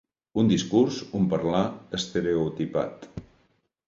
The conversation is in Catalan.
Un discurs, un parlar, estereotipat.